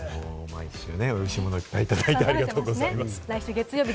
毎週、美味しいものいただいてありがとうございます。